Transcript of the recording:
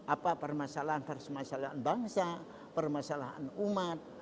apa permasalahan permasalahan bangsa permasalahan umat